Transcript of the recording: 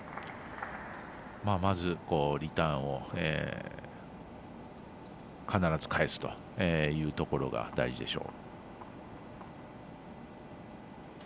まず、リターンを必ず返すというところが大事でしょう。